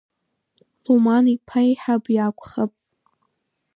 Луман иԥа еиҳаб иакәхап.